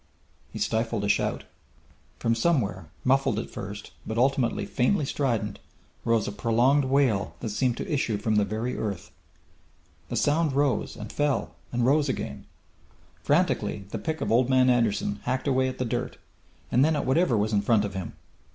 He stifled a shout. From somewhere, muffled at first, but ultimately faintly strident, rose a prolonged wail that seemed to issue from the very earth. The sound rose, and fell, and rose again. Frantically the pick of Old Man Anderson hacked away at the dirt, and then at whatever was in front of him.